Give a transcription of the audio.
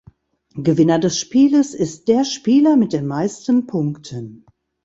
Gewinner des Spieles ist der Spieler mit den meisten Punkten.